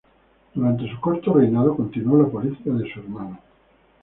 Durante su corto reinado, continuó la política de su hermano.